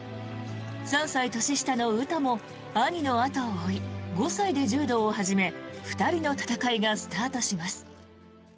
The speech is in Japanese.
３歳年下の詩も兄の後を追い５歳で柔道を始め２人の戦いがスタートします。